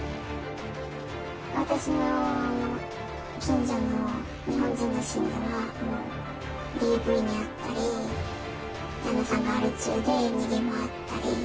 私の近所の日本人の信者は、ＤＶに遭ったり、旦那さんがアル中で逃げ回ったり。